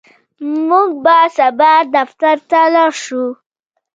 موږ به سبا دفتر ته لاړ شو.